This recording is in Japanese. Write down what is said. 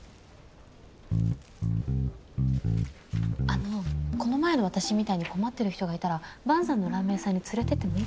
あのこの前の私みたいに困ってる人がいたら萬さんのラーメン屋さんに連れて行ってもいいんですかね？